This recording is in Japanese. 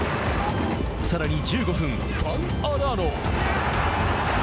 さらに１５分ファン・アラーノ。